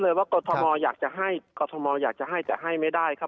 เรียนตอบได้เลยว่ากฏธมอยากจะให้จะให้ไม่ได้ครับ